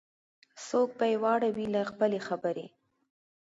څوک به یې واړوي له خپل خبري